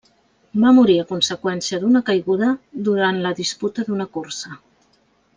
Va morir a conseqüència d'una caiguda durant la disputa d'una cursa.